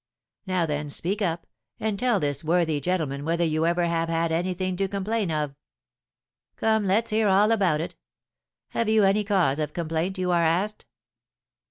Now then, speak up, and tell this worthy gentleman whether you ever have had anything to complain of.' 'Come, let's hear all about it, have you any cause of complaint, you are asked?'